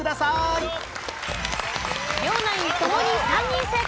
両ナイン共に３人正解！